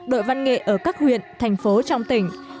đội văn nghệ ở các huyện thành phố trong tỉnh